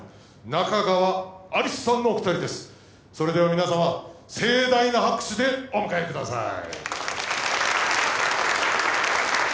仲川有栖さんのお二人ですそれでは皆様盛大な拍手でお迎えください